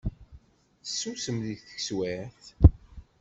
Tessusem deg teswiεt.